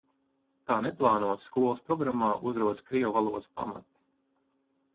Tā neplānoti skolas programmā uzrodas krievu valodas pamati.